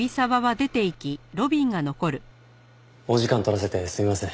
お時間取らせてすみません。